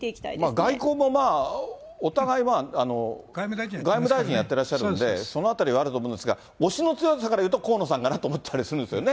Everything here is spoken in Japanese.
外交もまあ、お互い、まあ外務大臣やってらっしゃるんで、そのあたりはあると思うんですが、押しの強さからいくと、河野さんかなと思ったりするんですよね。